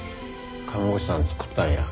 看護師さん作ったんや。